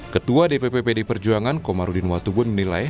ketua dpp pd perjuangan komarudin watubun menilai